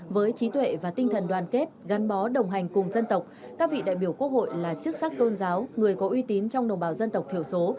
với trí tuệ và tinh thần đoàn kết gắn bó đồng hành cùng dân tộc các vị đại biểu quốc hội là chức sắc tôn giáo người có uy tín trong đồng bào dân tộc thiểu số